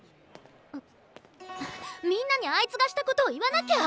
みんなにあいつがしたことを言わなきゃ。